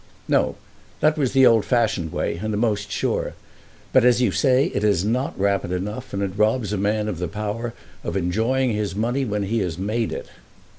"No. That was the old fashioned way, and the most sure. But, as you say, it is not rapid enough; and it robs a man of the power of enjoying his money when he has made it.